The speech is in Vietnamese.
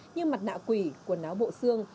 như mặt nạ quỷ quần áo bộ xương